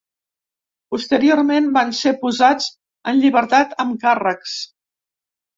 Posteriorment van ser posats en llibertat amb càrrecs.